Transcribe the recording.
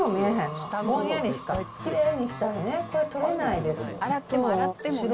きれいにしたいね。